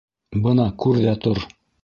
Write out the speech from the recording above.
Бына күр ҙә тор.